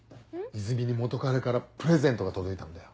イズミに元彼からプレゼントが届いたんだよ。